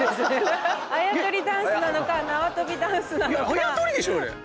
あやとりでしょあれ。